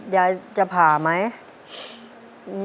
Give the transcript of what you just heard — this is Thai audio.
ยายจะผ่าไหม